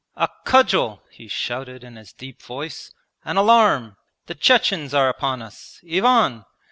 'A cudgel!' he shouted in his deep voice. 'An alarm! The Chechens are upon us! Ivan!